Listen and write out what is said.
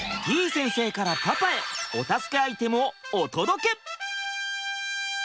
先生からパパへお助けアイテムをお届け。